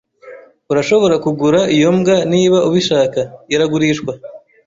Urashobora kugura iyo mbwa niba ubishaka. Iragurishwa.